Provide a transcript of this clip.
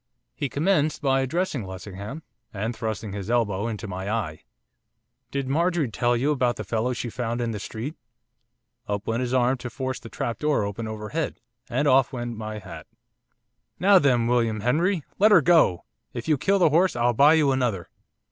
He commenced by addressing Lessingham, and thrusting his elbow into my eye. 'Did Marjorie tell you about the fellow she found in the street?' Up went his arm to force the trap door open overhead, and off went my hat. 'Now then, William Henry! let her go! if you kill the horse I'll buy you another!